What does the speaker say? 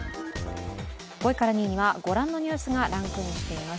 ５位から２位にはご覧のニュースがランクインしています。